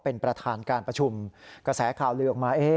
เป็นประธานการประชุมกระแสข่าวลือออกมา